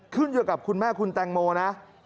ขึ้นอยู่กับคุณแม่คุณแตงโมนะ